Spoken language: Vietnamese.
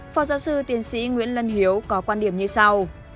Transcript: phó giáo sư tiến sĩ nguyễn lân hiếu có quan điểm như sau